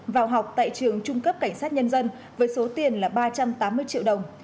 vào học tại trường trung cấp cảnh sát nhân dân với số tiền là ba trăm tám mươi triệu đồng